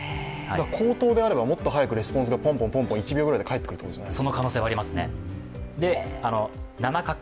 口頭であれば、もっと速くレスポンスが１秒ぐらいで返ってくるということですよね。